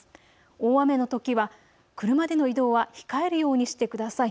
大雨のときは車での移動は控えるようにしてください。